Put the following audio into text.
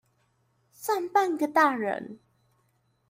算半個大人